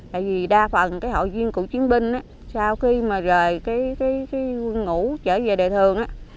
tại vì đa phần hội viên cựu chiến binh sau khi rời quân ngủ trở về đại thường